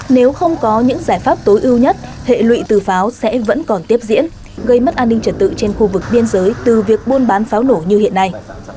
nếu không có những giải pháp tối ưu nhất hệ lụy từ pháo sẽ vẫn còn tiếp diễn gây mất an ninh trật tự trên khu vực biên giới từ việc buôn bán pháo nổ như hiện nay